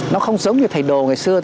nó không giống như thầy đồ ngày xưa